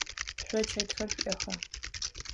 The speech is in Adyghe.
Шъо чэтхэр шъуиӏэха?